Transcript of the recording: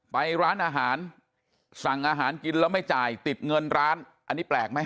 ไปร้านอาหารสั่งอาหารกินแล้วไม่จ่ายติดเงินร้านอันนี้แปลกไหม